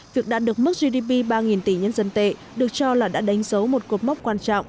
việc đạt được mức gdp ba tỷ nhân dân tệ được cho là đã đánh dấu một cột mốc quan trọng